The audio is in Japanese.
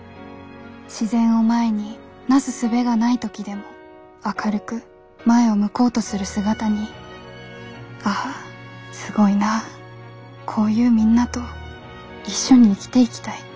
自然を前になすすべがない時でも明るく前を向こうとする姿に『ああすごいな。こういうみんなと一緒に生きていきたい』